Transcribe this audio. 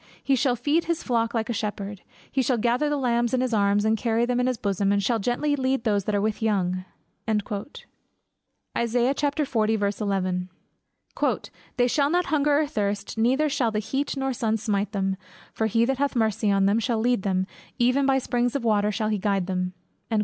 "He shall feed his flock like a shepherd; he shall gather the lambs in his arm, and carry them in his bosom, and shall gently lead those that are with young." "They shall not hunger nor thirst, neither shall the heat nor sun smite them; for he that hath mercy on them, shall lead them, even by the springs of water shall he guide them."